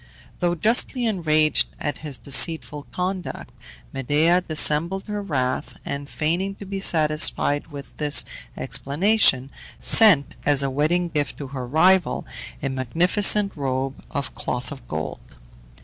Though justly enraged at his deceitful conduct, Medea dissembled her wrath, and, feigning to be satisfied with this explanation, sent, as a wedding gift to her rival, a magnificent robe of cloth of gold.